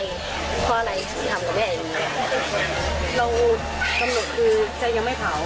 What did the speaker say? ลองรู้คำหนดคือใจยังไม่เผา